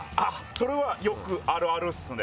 それは、よくあるあるっすね。